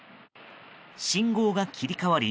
信号が切り替わり